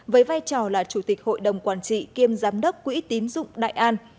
với vai trò là chủ tịch hội đồng quản trị kiêm giám đốc quỹ tín dụng đại an